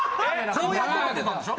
こうやって撮ってたんでしょ？